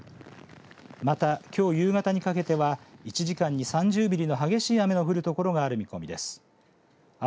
また、きょう夕方にかけては１時間に３０ミリの激しい雨が降る所がある見込みです。